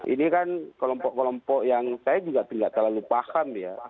ini kan kelompok kelompok yang saya juga tidak terlalu paham ya